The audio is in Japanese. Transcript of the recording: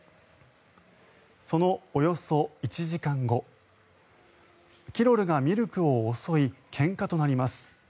そのおよそ１時間後キロルがミルクを襲いけんかとなります。